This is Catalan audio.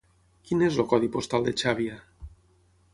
Quin és el codi postal de Xàbia?